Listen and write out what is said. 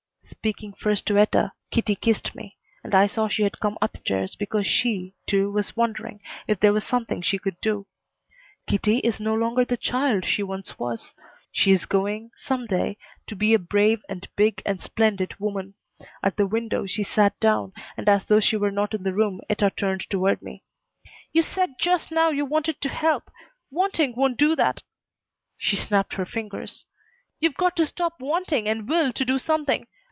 Speaking first to Etta, Kitty kissed me, and I saw she had come up stairs because she, too, was wondering if there was something she could do. Kitty is no longer the child she once was. She is going, some day, to be a brave and big and splendid woman. At the window she sat down, and as though she were not in the room Etta turned toward me. "You said just now you wanted to help. Wanting won't do that!" She snapped her fingers. "You've got to stop wanting and will to do something.